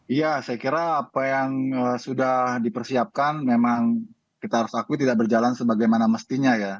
iya saya kira apa yang sudah dipersiapkan memang kita harus akui tidak berjalan sebagaimana mestinya ya